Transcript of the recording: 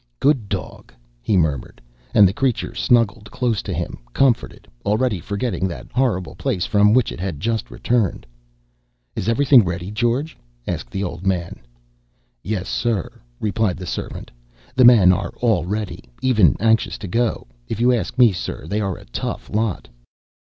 "Good dog," he murmured; and the creature snuggled close to him, comforted, already forgetting that horrible place from which it had just returned. "Is everything ready, George?" asked the old man. "Yes, sir," replied the servant. "The men are all ready, even anxious to go. If you ask me, sir, they are a tough lot."